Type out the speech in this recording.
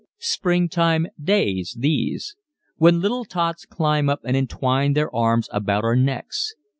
Springtime days, these! When little tots climb up and entwine their arms about our necks.